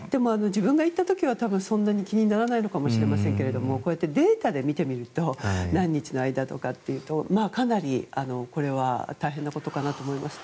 自分が行った時はそんなに気にならないのかもしれませんがデータで見てみると何日の間とかっていうとかなりこれは大変なことかなと思います。